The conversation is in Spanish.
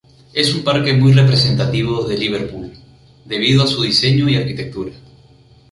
Es un parque muy representativo de Liverpool, debido a su diseño y arquitectura.